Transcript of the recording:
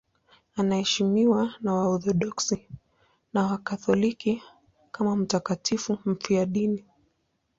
Anaheshimiwa na Waorthodoksi na Wakatoliki kama mtakatifu mfiadini.